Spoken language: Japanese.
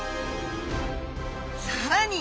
さらに！